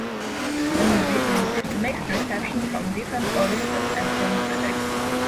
The movie received mixed reception from different audiences and film critics.